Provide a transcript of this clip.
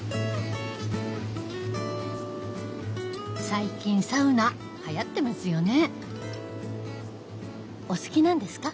最近サウナはやってますよね。